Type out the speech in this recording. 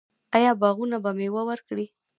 آیا باغونه به میوه ورکړي؟